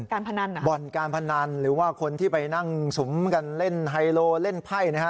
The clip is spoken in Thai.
การพนันบ่อนการพนันหรือว่าคนที่ไปนั่งสุมกันเล่นไฮโลเล่นไพ่นะฮะ